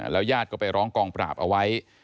ยาดก็ไปร้องกองปราบเอาไว้